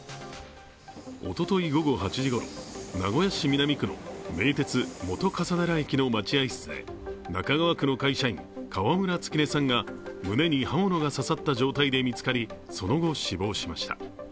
おととい午後８時ごろ名古屋市南区の名鉄本笠寺駅の待合室で中川区の会社員、川村月音さんが胸に刃物が刺さった状態で見つかり、その後死亡しました。